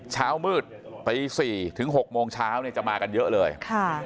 เช้ามืดตี๔ถึง๖โมงเช้าเนี่ยจะมากันเยอะเลย